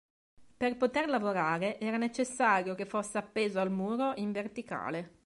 Per poter lavorare era necessario che fosse appeso al muro in verticale.